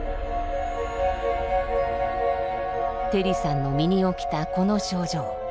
テリさんの身に起きたこの症状。